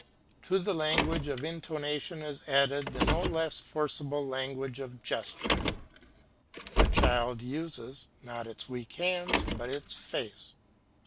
To the language of intonation is added the no less forcible language of gesture. The child uses, not its weak hands, but its face.